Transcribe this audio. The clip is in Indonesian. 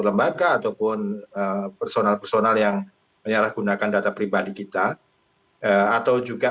lembaga ataupun personal personal yang menyalahgunakan data pribadi kita atau juga